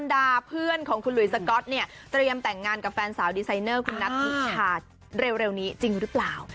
ดาเพื่อนของคุณหลุยสก๊อตเนี่ยเตรียมแต่งงานกับแฟนสาวดีไซเนอร์คุณนัทธิชาเร็วนี้จริงหรือเปล่า